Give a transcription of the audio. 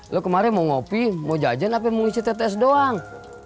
lo kemarin mau ngopi mau jajan apa yang mau isi tetes doang